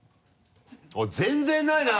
全然ないな。